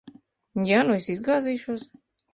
Ja nu es izgāzīšos?